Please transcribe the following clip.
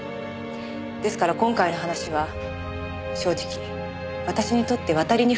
ですから今回の話は正直私にとって渡りに船でした。